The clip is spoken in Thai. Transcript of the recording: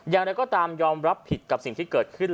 อย่างไรก็ตามยอมรับผิดกับสิ่งที่เกิดขึ้น